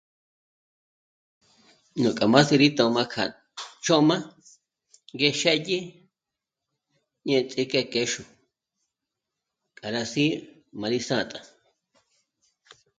Nu k'a má sí'i rí tö̌m'a k'a chö̌m'a, ngé xë́dyi, ñêch'e k'e kéxu, k'a rá sí'i má rí sǎt'a